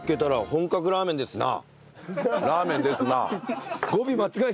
本格ラーメンですな！